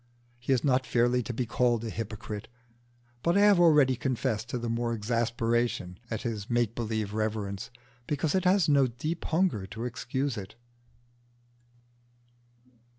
He is not fairly to be called a hypocrite, but I have already confessed to the more exasperation at his make believe reverence, because it has no deep hunger to excuse it.